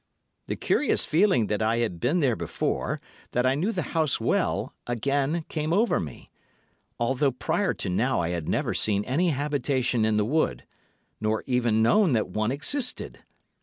The curious feeling that I had been there before, that I knew the house well, again came over me, although prior to now I had never seen any habitation in the wood, nor even known that one existed.